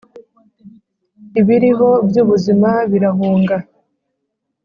ibiriho byubuzima birahunga